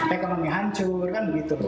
ekonomi hancur kan begitu